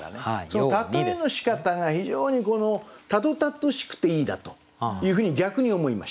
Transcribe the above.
その例えのしかたが非常にたどたどしくていいなというふうに逆に思いました。